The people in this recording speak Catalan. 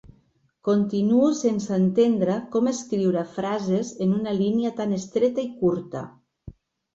Continuo sense entendre com escriure frases en una línia tan estreta i curta.